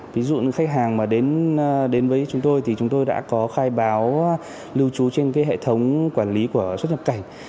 ví dụ như khách hàng mà đến với chúng tôi thì chúng tôi đã có khai báo lưu trú trên hệ thống quản lý của xuất nhập cảnh